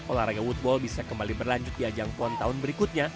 olahraga woodball bisa kembali berlanjut di ajang pon tahun berikutnya